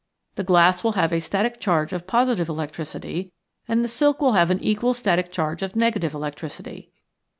The glass will have a static charge of positive electricity and the silk will have an equal static charge of negative electricity.